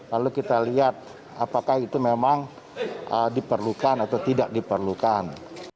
lalu kita lihat apakah itu memang diperlukan atau tidak diperlukan